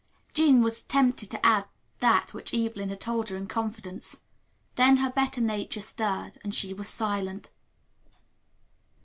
Jean was tempted to add that which Evelyn had told her in confidence. Then her better nature stirred, and she was silent.